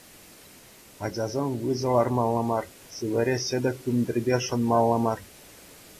Ачасен выҫӑ лармалла мар, сивӗре ҫӗтӗк тумтирпе шӑнмалла мар.